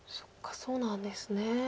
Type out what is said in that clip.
そうなんですね。